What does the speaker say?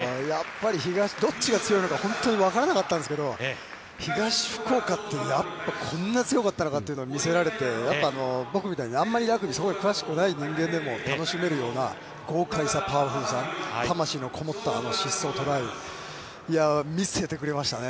◆対照的な涙になるんですけれども、やっぱりどっちが強いのか本当に分からなかったんですけど、東福岡って、やっぱこんな強かったのかというのを見せられて、やっぱり僕みたいにあんまりラグビー、そんなに詳しくない人間でも楽しめるような、豪快さ、パワフルさ、魂のこもったあの疾走トライ、見せてくれましたね。